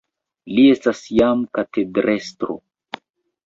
Li estas jam katedrestro.